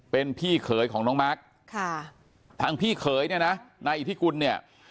เป็นพี่เขยของน้องมาร์คค่ะทางพี่เขยเนี่ยนะนายอิทธิกุลเนี่ย